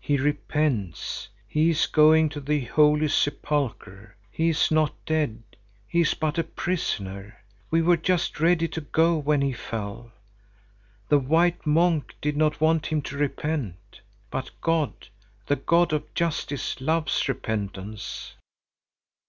"He repents; he is going to the Holy Sepulchre. He is not dead, he is but a prisoner. We were just ready to go when he fell. The white monk did not want him to repent, but God, the God of justice, loves repentance."